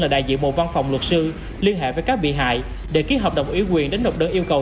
là đại diện một văn phòng luật sư liên hệ với các bị hại để ký hợp đồng ủy quyền đến nộp đơn yêu cầu